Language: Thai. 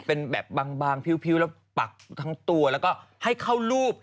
เป็นแบบบางพิ้วแล้วปักทั้งตัวแล้วก็ให้เข้ารูป